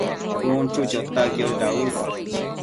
cun chu chota quiosh dauës